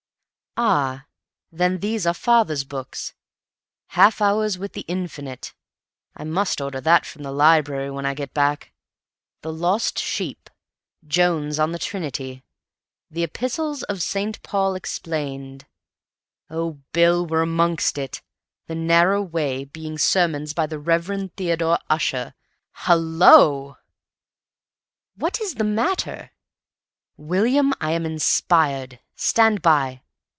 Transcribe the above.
"Ah, then these are Father's books. 'Half Hours with the Infinite'—I must order that from the library when I get back. 'The Lost Sheep,' 'Jones on the Trinity,' 'The Epistles of St. Paul Explained.' Oh, Bill, we're amongst it. 'The Narrow Way, being Sermons by the Rev. Theodore Ussher'—hal lo!" "What is the matter?" "William, I am inspired. Stand by."